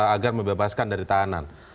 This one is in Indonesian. agar membebaskan dari tahanan